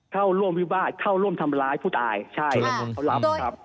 เข้าร่วมวิวาสเข้าร่วมทำร้ายผู้ตายใช่ครับ